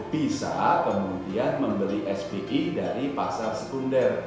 bisa kemudian membeli sbi dari pasar sekunder